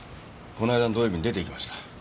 このあいだの土曜日に出て行きました。